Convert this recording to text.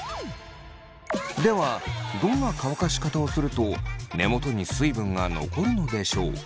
ではどんな乾かし方をすると根元に水分が残るのでしょう。